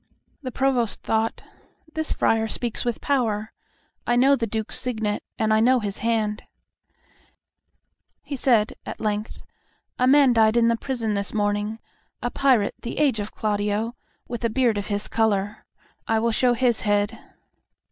The Provost thought, "This friar speaks with power. I know the Duke's signet and I know his hand." He said at length, "A man died in prison this morning, a pirate of the age of Claudio, with a beard of his color. I will show his head."